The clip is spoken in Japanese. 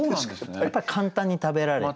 やっぱり簡単に食べられて。